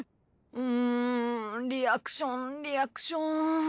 うんリアクションリアクション。